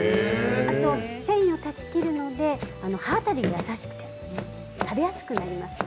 繊維を断ち切るので歯当たりが優しくて食べやすくなります。